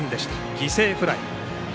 犠牲フライ。